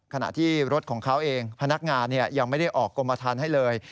ขณะที่รถของเขาเองพนักงานยังไม่ได้ออกกรมฐานให้เลย